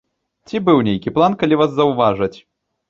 Ці быў нейкі план, калі вас заўважаць?